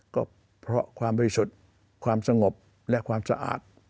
ก็เพราะความบริสุทธิ์ความสงบและความสะอาด